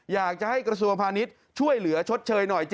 อยากจะให้กระทรวงพาณิชย์ช่วยเหลือชดเชยหน่อย